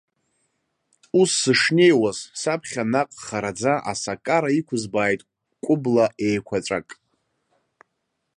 Ус сышнеиуаз, саԥхьа наҟ хараӡа асакара иқәызбааит кәкәыбла еиқәаҵәак.